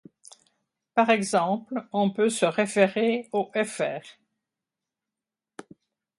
Par exemple, on peut se référer au fr.